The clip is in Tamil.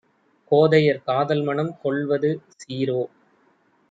கோதையர் காதல்மணம் கொள்வது சீரோ?